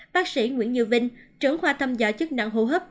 bác sĩ nguyễn như vinh trưởng khoa thăm dò chức năng hô hấp